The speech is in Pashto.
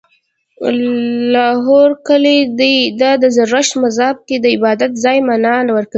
لاهور کلی دی، دا د زرتښت مذهب کې د عبادت ځای معنا ورکوي